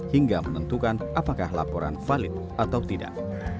hingga menentukan apakah laporan valid atau tidak